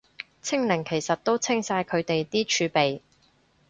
清零其實都清晒佢哋啲儲備